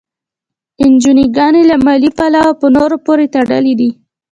انجوګانې له مالي پلوه په نورو پورې تړلي دي.